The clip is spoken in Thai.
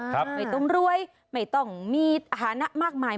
ไม่ต้องรวยไม่ต้องมีฐานะมากมาย